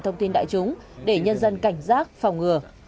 thông tin đại chúng để nhân dân cảnh giác phòng ngừa